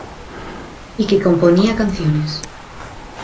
Y que componía canciones.